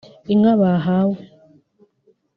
inka bahawe